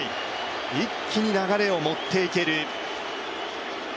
一気に流れを持っていける。